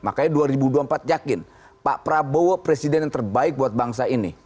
makanya dua ribu dua puluh empat yakin pak prabowo presiden yang terbaik buat bangsa ini